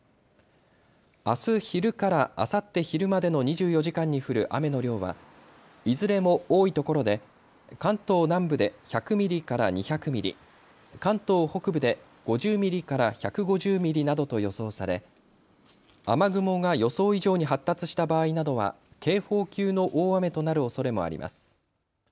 あす昼からあさって昼までの２４時間に降る雨の量はいずれも多いところで関東南部で１００ミリから２００ミリ、関東北部で５０ミリから１５０ミリなどと予想され雨雲が予想以上に発達した場合などは警報級の大雨となるおそれもあります。